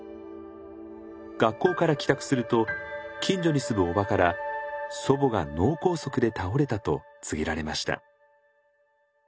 学校から帰宅すると近所に住む叔母から祖母が脳梗塞で倒れたと告げられました。